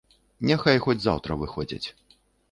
Няхай хоць заўтра выходзяць.